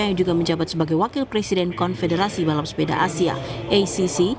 yang juga menjabat sebagai wakil presiden konfederasi balap sepeda asia acc